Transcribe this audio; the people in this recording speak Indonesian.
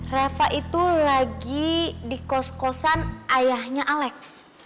reva itu lagi di kos kosan ayahnya alex